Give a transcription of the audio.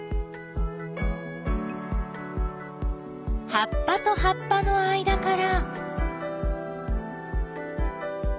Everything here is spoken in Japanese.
葉っぱと葉っぱの間から。